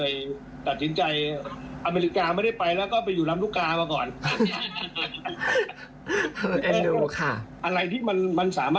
ยังมีไทยละครอยู่ของพี่อ๊อฟภงพัฒน์เนาะ